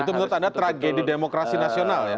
itu menurut anda tragedi demokrasi nasional ya